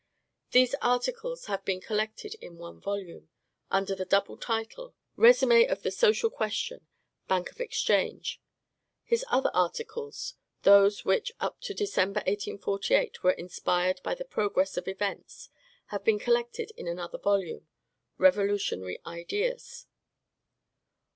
These articles have been collected in one volume, under the double title, "Resume of the Social Question; Bank of Exchange." His other articles, those which up to December, 1848, were inspired by the progress of events, have been collected in another volume, "Revolutionary Ideas."